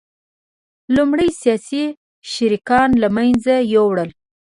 لومړی سیاسي شریکان له منځه یوړل